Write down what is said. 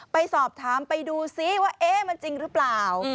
ไปสอบถามไปดูซิว่าเอ๊ะมันจริงหรือเปล่า